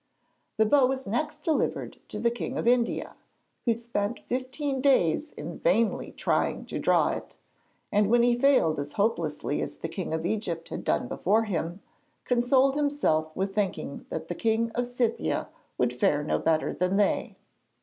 The bow was next delivered to the King of India, who spent fifteen days in vainly trying to draw it, and when he failed as hopelessly as the King of Egypt had done before him, consoled himself with thinking that the King of Scythia would fare no better than they.